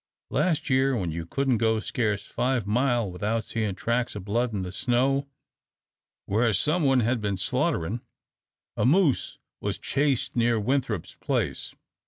Las' year, when you couldn't go scarce five mile without seein' tracks o' blood in the snow where some one had been slaughterin', a moose was chased near Winthrop's place.